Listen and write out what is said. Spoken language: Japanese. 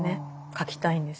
書きたいんです。